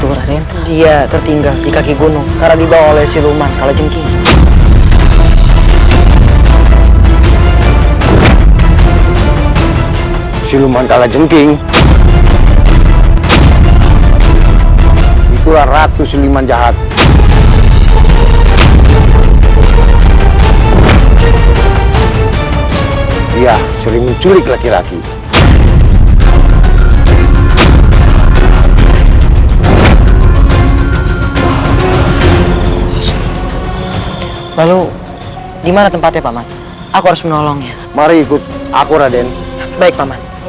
untuk menghancurkan ciliwara